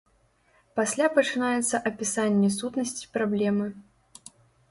Пасля пачынаецца апісанне сутнасці праблемы.